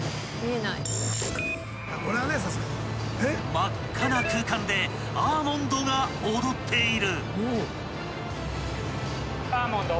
［真っ赤な空間でアーモンドがおどっている］